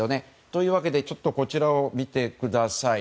というわけでこちらを見てください。